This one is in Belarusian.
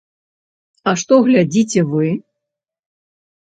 А што глядзіце вы?